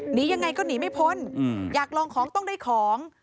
หนียังไงก็หนีไม่พ้นอยากลองของต้องได้ของ